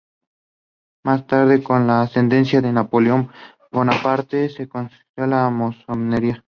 Más tarde, con la ascensión de Napoleón Bonaparte, se concentró en la Masonería.